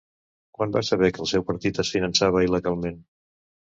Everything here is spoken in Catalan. Quan va saber que el seu partit es fiançava il·legalment?